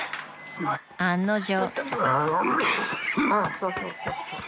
［案の定］